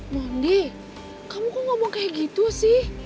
mandi kamu kok ngomong kayak gitu sih